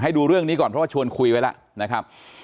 ดูเรื่องนี้ก่อนเพราะว่าชวนคุยไว้แล้วนะครับ